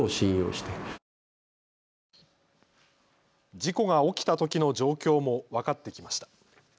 事故が起きたときの状況も分かってきました。